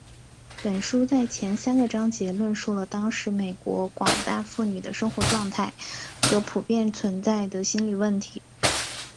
本书在前三个章节论述了当时美国广大妇女的生活状态和普遍存在的心理问题。